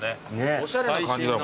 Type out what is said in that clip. おしゃれな感じだもん。